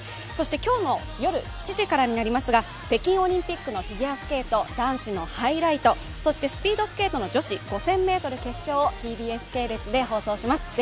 今日の夜７時からになりますが北京オリンピックのフィギュアスケート、男子のハイライト、そしてスピードスケートの女子５０００ｍ決勝をＴＢＳ系列で放送します。